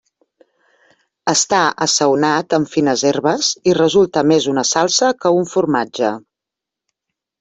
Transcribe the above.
Està assaonat amb fines herbes i resulta més una salsa que un formatge.